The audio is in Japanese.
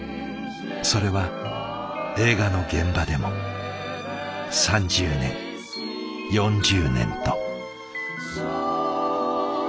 それは映画の現場でも３０年４０年と。